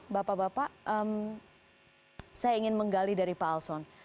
bapak bapak saya ingin menggali dari pak alson